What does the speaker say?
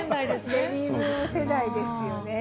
ベビーブーム世代ですよね。